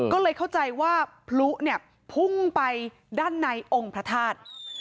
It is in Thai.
ก็เลยเข้าใจว่าพลุเนี่ยพุ่งไปด้านในองค์พระธาตุ